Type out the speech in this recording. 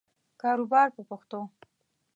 کاروبار په پښتو.